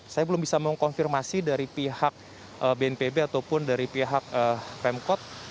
saya belum bisa mengkonfirmasi dari pihak bnpb ataupun dari pihak pemkot